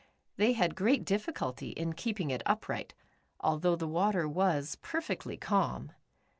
They had great difficulty in keeping it upright, although the water was perfectly calm.